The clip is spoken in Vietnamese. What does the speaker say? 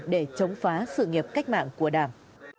để chống phá sự nghiệp cách mạng của đảng